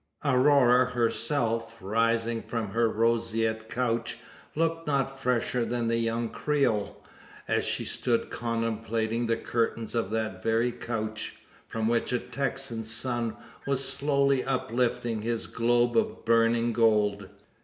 Aurora herself, rising from her roseate couch, looked not fresher than the young Creole, as she stood contemplating the curtains of that very couch, from which a Texan sun was slowly uplifting his globe of burning gold.